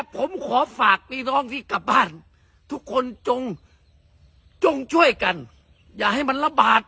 ผมขอฝากพี่น้องที่กลับบ้านทุกคนจงจงช่วยกันอย่าให้มันระบาด